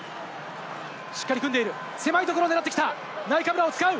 しっかり組んでいる、狭いところを狙ってきた、ナイカブラを使う。